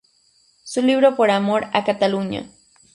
Su libro "Por amor a Cataluña.